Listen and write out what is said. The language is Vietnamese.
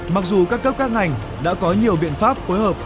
mặc dù các cấp các ngành đã có nhiều biện pháp phối hợp